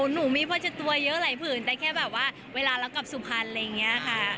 หนูมีประจำตัวเยอะหลายผืนแต่แค่แบบว่าเวลาเรากลับสุพรรณอะไรอย่างนี้ค่ะ